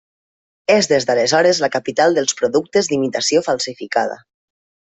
És des d'aleshores la capital dels productes d'imitació falsificada.